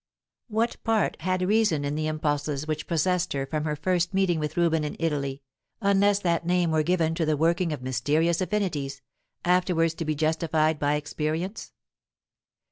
What part had reason in the impulses which possessed her from her first meeting with Reuben in Italy, unless that name were given to the working of mysterious affinities, afterwards to be justified by experience?